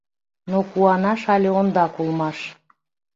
Но куанаш але ондак улмаш.